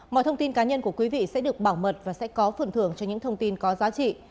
mọi thông tin cá nhân của quý vị sẽ được bảo mật và sẽ có phần thưởng cho những thông tin có giá trị